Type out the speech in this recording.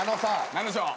何でしょう？